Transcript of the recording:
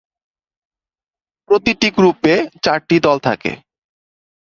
প্রতিটি গ্রুপে চারটি দল থাকে।